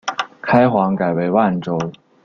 开皇改为万州。